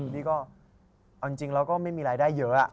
นี่ก็เอาจริงเราก็ไม่มีรายได้เยอะ